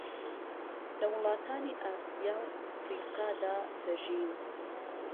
لە وڵاتانی ئاسیا و ئەفریقادا دەژین